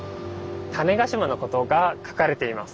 種子島のことが書かれています。